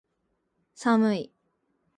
寒い